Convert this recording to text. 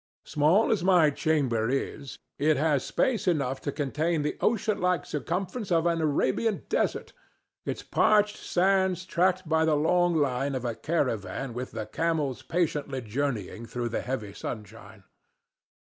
Small as my chamber is, it has space enough to contain the ocean like circumference of an Arabian desert, its parched sands tracked by the long line of a caravan with the camels patiently journeying through the heavy sunshine.